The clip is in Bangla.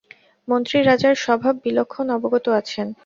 মন্ত্রী রাজার স্বভাব বিলক্ষণ অবগত আছেন।